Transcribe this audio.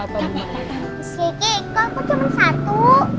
si kiki kok kok cuma satu